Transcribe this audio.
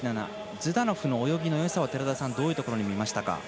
ズダノフの泳ぎのよさどういうところに見ましたか。